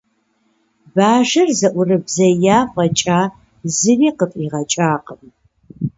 Бажэр зэӀурыбзея фӀэкӀа, зыри къыфӀигъэкӀакъым.